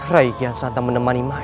rai kian santang menemani maya